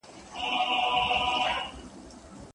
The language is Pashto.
د يوسف پلار او کورنۍ هلته ورځي او ټول سره يو ځای کيږي.